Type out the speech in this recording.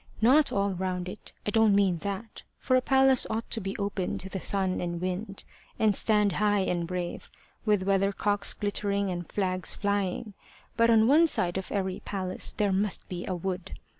Not all round it I don't mean that, for a palace ought to be open to the sun and wind, and stand high and brave, with weathercocks glittering and flags flying; but on one side of every palace there must be a wood.